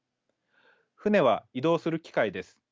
船は移動する機械です。